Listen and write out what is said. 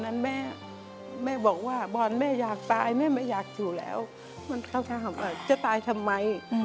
มันเข้าทางหาบอกว่าจะตายทำไม